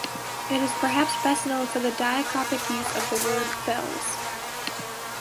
It is perhaps best known for the diacopic use of the word bells.